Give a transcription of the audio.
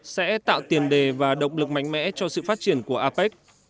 sẽ tạo tiền đề và động lực mạnh mẽ cho sự phát triển của apec